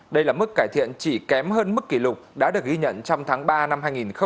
đây là mức cải thiện chỉ kém hơn mức kỷ lục đã được ghi nhận trong tháng ba năm hai nghìn một mươi chín